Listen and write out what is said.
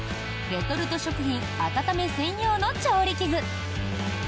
レトルト食品温め専用の調理器具！